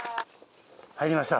入りました。